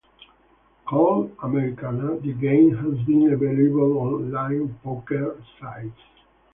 Called Americana, the game has been available on online poker sites.